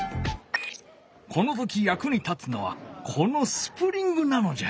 この時やくに立つのはこのスプリングなのじゃ！